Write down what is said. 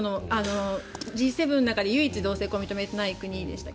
Ｇ７の中で唯、一同性婚を認めていない国でしたっけ。